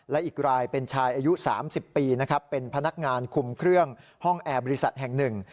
และอีกรายเป็นชายอายุ๓๐ปีนะครับเป็นพนักงานคุมเครื่องห้องแอร์บริษัทแห่งหนึ่ง